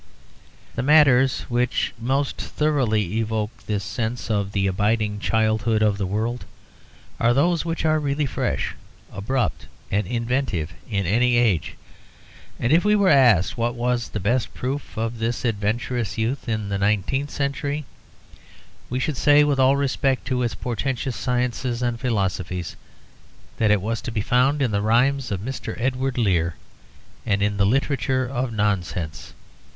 The matters which most thoroughly evoke this sense of the abiding childhood of the world are those which are really fresh, abrupt and inventive in any age; and if we were asked what was the best proof of this adventurous youth in the nineteenth century we should say, with all respect to its portentous sciences and philosophies, that it was to be found in the rhymes of Mr. Edward Lear and in the literature of nonsense.